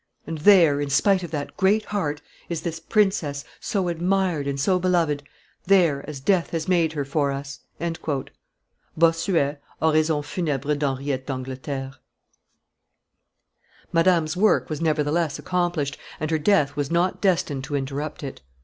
And there, in spite of that great heart, is this princess, so admired and so beloved; there, as death has made her for us!" [Bossuet, Oraison funebre d'Henriette d'Angleterre.] Madame's work was nevertheless accomplished, and her death was not destined to interrupt it.